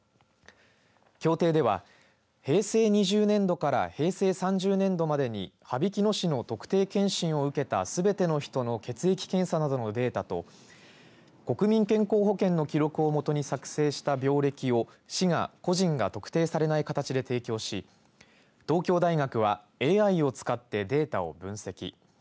協定では、平成２０年度から平成３０年度までに羽曳野市の特定健診を受けたすべての人の血液検査などのデータと国民健康保険の記録を基に市が作成した病歴を市が個人が特定されない形で提供し東京大学はＡＩを使ってデータを分析。